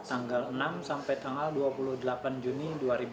tanggal enam sampai tanggal dua puluh delapan juni dua ribu dua puluh